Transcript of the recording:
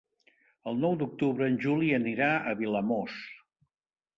El nou d'octubre en Juli anirà a Vilamòs.